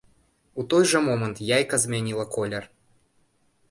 У той жа момант яйка змяніла колер.